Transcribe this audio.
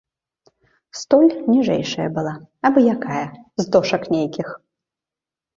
Столь ніжэйшая была, абы-якая, з дошак нейкіх.